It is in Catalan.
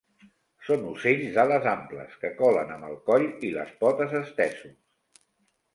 Són ocells d'ales amples que colen amb el coll i les potes estesos.